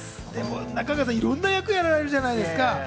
中川さん、いろんな役をやられるじゃないですか。